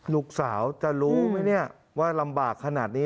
ลูกสาวจะรู้ไหมเนี่ยว่าลำบากขนาดนี้